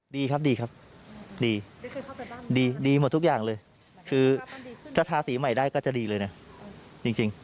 ดีครับดีครับดีดีหมดทุกอย่างเลยคือถ้าทาสีใหม่ได้ก็จะดีเลยนะจริง